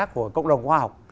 của cộng đồng khoa học